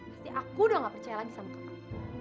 pasti aku udah gak percaya lagi sama kakak